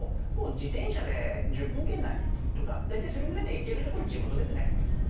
自転車で１０分圏内、大体それくらいで行けるところは地元ですね。